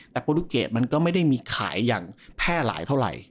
แต่โปรตูเกตมันก็ไม่ได้มีขายอย่างแพร่หลายเท่าไหร่